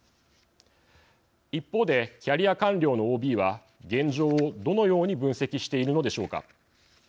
一方でキャリア官僚のＯＢは現状をどのように分析しているのでしょうか。